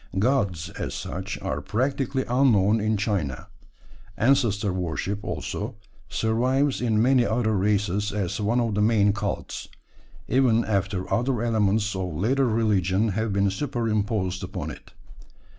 Gods, as such, are practically unknown in China. Ancestor worship, also, survives in many other races as one of the main cults, even after other elements of later religion have been superimposed upon it.